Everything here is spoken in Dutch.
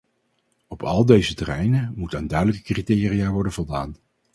Op al deze terreinen moet aan duidelijke criteria worden voldaan.